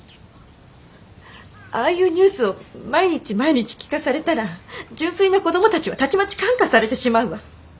ああいうニュースを毎日毎日聞かされたら純粋な子どもたちはたちまち感化されてしまうわ。